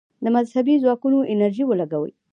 د مذهبي ځواکونو انرژي ولګوي.